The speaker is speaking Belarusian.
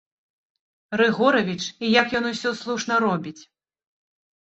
Рыгоравіч і як ён усё слушна робіць.